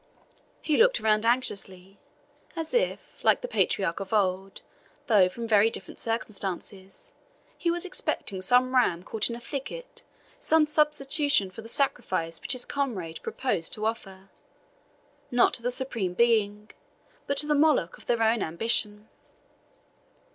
He looked around anxiously, as if, like the patriarch of old, though from very different circumstances, he was expecting some ram caught in a thicket some substitution for the sacrifice which his comrade proposed to offer, not to the Supreme Being, but to the Moloch of their own ambition.